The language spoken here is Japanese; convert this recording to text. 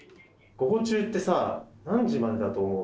「午後中」ってさ何時までだと思う？